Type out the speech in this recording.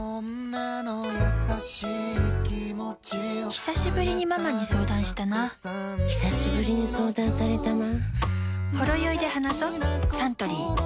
ひさしぶりにママに相談したなひさしぶりに相談されたな